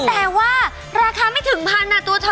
แต่ว่าราคาไม่ถึงพันตัวเธอ